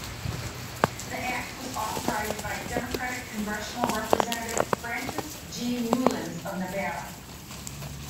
The Act was authored by Democratic Congressional Representative Francis G. Newlands of Nevada.